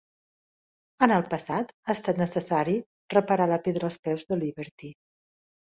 En el passat, ha estat necessari reparar la pedra als peus de Liberty.